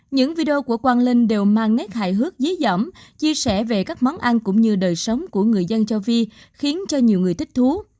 những video của quang linh đều mang nét hài hước dí dỏm chia sẻ về các món ăn cũng như đời sống của người dân châu phi khiến cho nhiều người thích thú